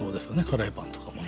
カレーパンとかも。